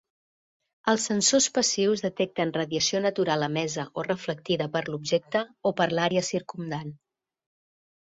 Els sensors passius detecten radiació natural emesa o reflectida per l'objecte o per l'àrea circumdant.